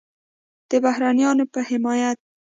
د بهرنیانو په حمایت